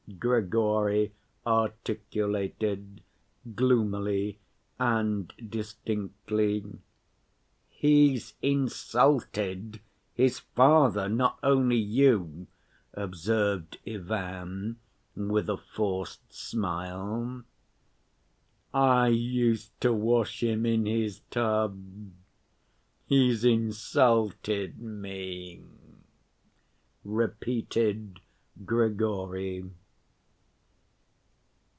Grigory articulated gloomily and distinctly. "He's 'insulted' his father, not only you," observed Ivan with a forced smile. "I used to wash him in his tub. He's insulted me," repeated Grigory.